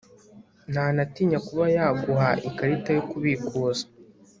ntanatinya kuba yaguha ikarita yo kubikuza